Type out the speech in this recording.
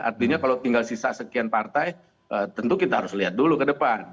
artinya kalau tinggal sisa sekian partai tentu kita harus lihat dulu ke depan